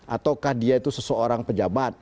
ataukah dia itu seseorang pejabat